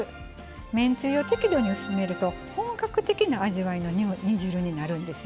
めんつゆを適度に薄めると本格的な味わいの煮汁になるんですよ。